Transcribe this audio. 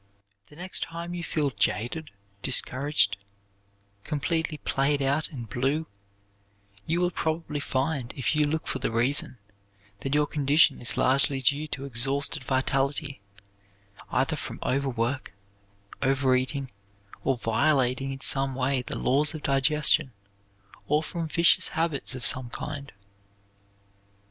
The next time you feel jaded, discouraged, completely played out and "blue," you will probably find, if you look for the reason, that your condition is largely due to exhausted vitality, either from overwork, overeating, or violating in some way the laws of digestion, or from vicious habits of some kind.